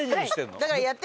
だから。